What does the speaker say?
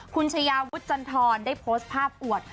คุณชายาวุฒิจันทรได้โพสต์ภาพอวด